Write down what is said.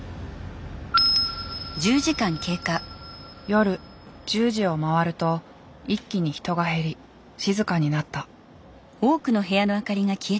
夜１０時を回ると一気に人が減り静かになった。